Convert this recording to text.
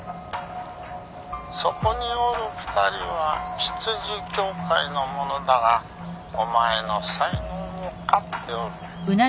そこにおる２人は執事協会の者だがお前の才能を買っておる。